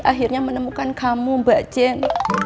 akhirnya menemukan kamu mbak jen